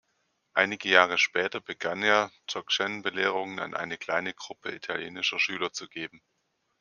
Einige Jahre später begann er, Dzogchen-Belehrungen an eine kleine Gruppe italienischer Schüler zu geben.